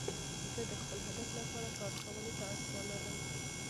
زه د خپل هدف لپاره کار کولو ته اړتیا لرم.